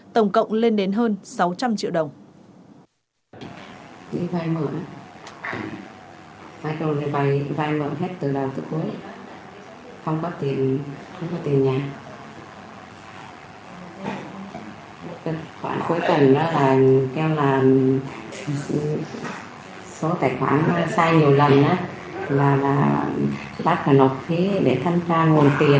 tổng cộng lên đến hơn sáu trăm linh triệu đồng